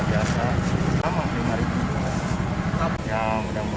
setiap tahun karena memang rumah di sini ini kan rumah sepuluh nenek